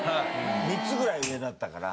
３つぐらい上だったから。